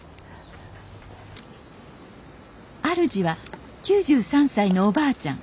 あるじは９３歳のおばあちゃん